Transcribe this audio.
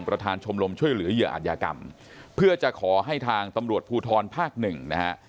ชมรมช่วยเหลือเหยื่ออาจยากรรมเพื่อจะขอให้ทางตำรวจภูทรภาคหนึ่งนะฮะ